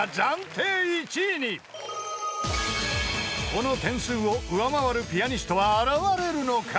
［この点数を上回るピアニストは現れるのか］